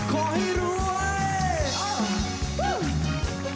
ขอให้รวย